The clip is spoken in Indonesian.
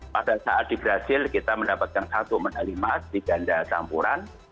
pada saat di brazil kita mendapatkan satu medali emas di ganda campuran